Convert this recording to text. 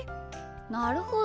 なるほど。